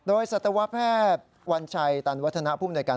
โดยสัตวแพทย์วัญชัยตันวัฒนาภูมิในการ